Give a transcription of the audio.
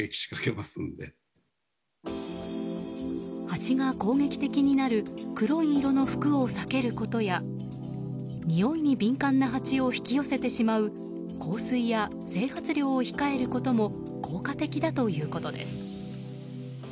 ハチが攻撃的になる黒い色の服を避けることやにおいに敏感なハチを引き寄せてしまう香水や、整髪料を控えることも効果的だということです。